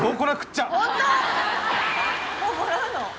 もうもらうの？